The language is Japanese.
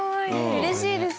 うれしいです。